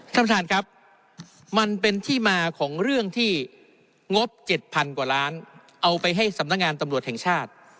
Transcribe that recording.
ท่านประธานครับมันเป็นที่มาของเรื่องที่งบ๗๐๐กว่าล้านเอาไปให้สำนักงานตำรวจแห่งชาติ